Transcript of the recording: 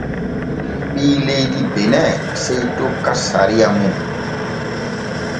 Ɓii leydi Bene sey tokka sariya mum.